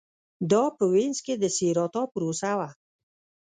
دا په وینز کې د سېراتا پروسه وه